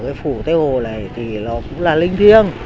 cái phủ tây hồ này thì nó cũng là linh thiêng